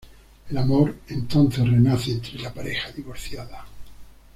El amor, entonces renace entre la pareja divorciada.